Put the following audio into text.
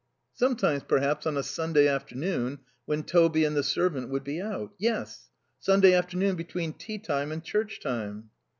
Sometimes, perhaps, on a Sunday afternoon, when Toby and the servant would be out. Yes. Sunday afternoon between tea time and church time.